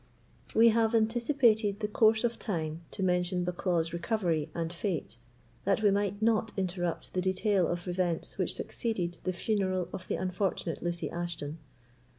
We have anticipated the course of time to mention Bucklaw's recovery and fate, that we might not interrupt the detail of events which succeeded the funeral of the unfortunate Lucy Ashton.